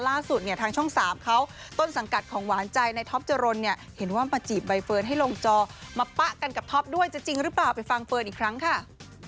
ล่าสุดเนี่ยทางช่อง๓เขาต้นสังกัดของหวานใจในท็อปจรนเนี่ยเห็นว่ามาจีบใบเฟิร์นให้ลงจอมาปะกันกับท็อปด้วยจะจริงหรือเปล่าไปฟังเฟิร์นอีกครั้งค่ะ